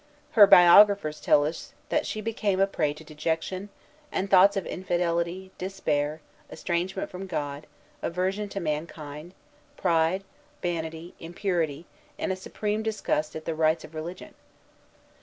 Her biographers tell us that she became a prey to dejection, and thoughts of infidelity, despair, estrangement from God, aversion to mankind, pride, vanity, impurity, and a supreme disgust at the rites of religion.